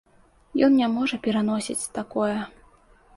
Ён не можа пераносіць такое.